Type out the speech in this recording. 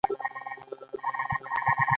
دوی سپوږمکۍ او روباټونه جوړوي.